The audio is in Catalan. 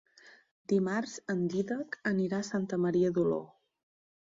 Dimarts en Dídac anirà a Santa Maria d'Oló.